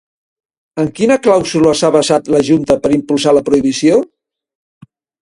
En quina clàusula s'ha basat la junta per impulsar la prohibició?